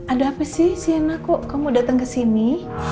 ada apa sih sienna kok kamu datang kesini